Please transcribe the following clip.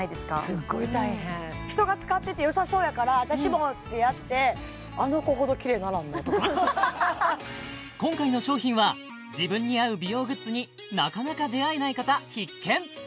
すっごい大変人が使っててよさそうやから私もってやってあの子ほどきれいにならんなとか今回の商品は自分に合う美容グッズになかなか出会えない方必見！